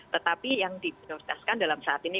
tetapi yang di prioritaskan dalam saat ini